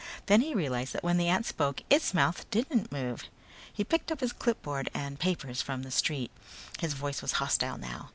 Then he realized that when the ant spoke its mouth didn't move. He picked up his clipboard and papers from the street. His voice was hostile now.